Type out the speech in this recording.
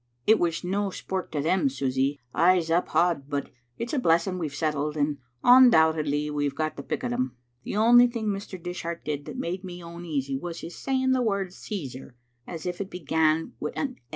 ^* It was no sport to them, Susy, I'se uphaud, but it is a blessing we've settled, and ondoubtedly we've got the pick o' them. The only thing Mr. Dishart did that made me oneasy was his saying the word Caesar as if it began wi' a>&."